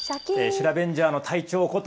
シラベンジャーの隊長こと